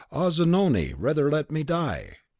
Ah, Zanoni, rather let me die!"